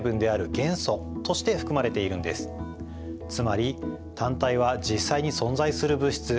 つまり単体は実際に存在する物質